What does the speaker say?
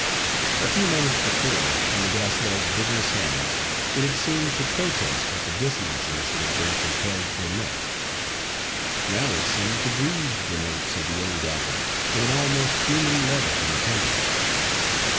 A few moments before, under Graciella's vigorous hands, it had seemed to protest at the dissonances it had been compelled to emit; now it seemed to breathe the notes of the old opera with an almost human love and tenderness.